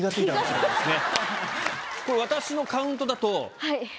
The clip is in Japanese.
私のカウントだと。